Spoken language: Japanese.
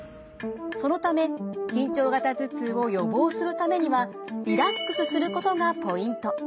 そのため緊張型頭痛を予防するためにはリラックスすることがポイント。